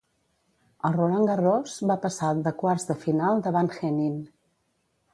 Al Roland Garros va passar de quarts de final davant Henin.